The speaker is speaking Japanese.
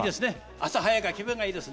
朝早いから気分がいいですね。